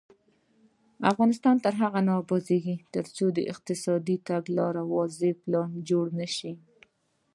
افغانستان تر هغو نه ابادیږي، ترڅو د اقتصادي تګلارې واضح پلان جوړ نشي.